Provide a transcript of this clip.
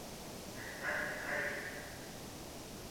allpa soqariy